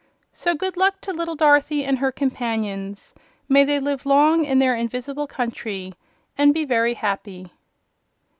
So good luck to little Dorothy and her companions. May they live long in their invisible country and be very happy!